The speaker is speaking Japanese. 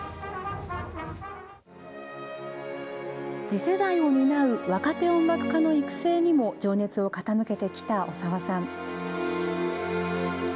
次世代を担う若手音楽家の育成にも情熱を傾けてきた小澤さん。